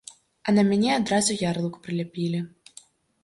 А на мяне адразу ярлык прыляпілі.